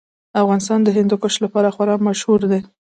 افغانستان د هندوکش لپاره خورا مشهور دی.